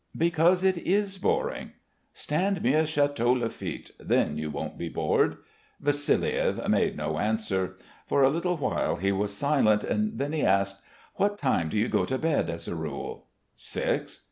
"Because it is boring." "Stand me a Château Lafitte, then you won't be bored." Vassiliev made no answer. For a little while he was silent, then he asked: "What time do you go to bed as a rule?" "Six."